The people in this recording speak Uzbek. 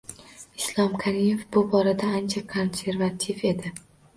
Islom Karimov bu borada ancha konservativ edi